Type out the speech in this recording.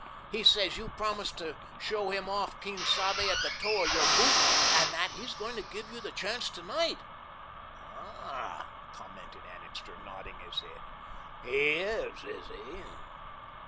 He says you promised to show him off Quien Sabe at the toe of your boot and that he's going to give you the chance to night!" "Ah," commented Annixter, nodding his head, "he is, is he?"